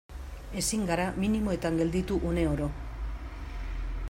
Ezin gara minimoetan gelditu une oro.